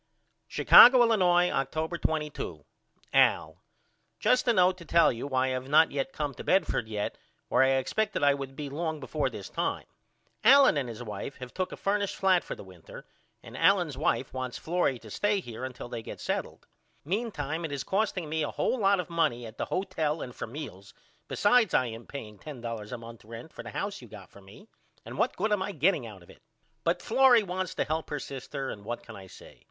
Chicago, Illinois, October 22. AL: Just a note to tell you why I have not yet came to Bedford yet where I expected I would be long before this time. Allen and his wife have took a furnished flat for the winter and Allen's wife wants Florrie to stay here untill they get settled. Meentime it is costing me a hole lot of money at the hotel and for meals besides I am paying $10 a month rent for the house you got for me and what good am I getting out of it? But Florrie wants to help her sister and what can I say?